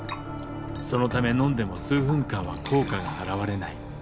そのため飲んでも数分間は効果が現れない。